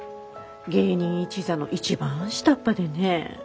芸人一座の一番下っ端でね。